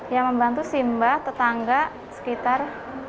yang membantu si mbah tetangga sekitar